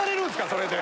それで！